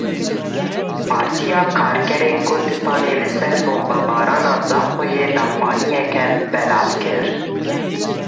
Partiya Karkerên Kurdistanê li ser bombebarana Zaxoyê daxuyaniyek belav kir.